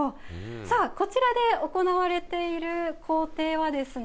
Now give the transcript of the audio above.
さあ、こちらで行われている工程はですね